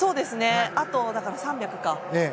あと３００か。